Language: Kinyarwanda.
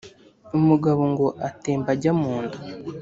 Umugabo ngo atemba ajya mu nda